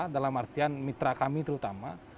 dalam artian mitra kami terutama